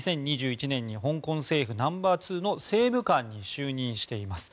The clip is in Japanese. ２０２１年に香港政府ナンバー２の政務官に就任しています。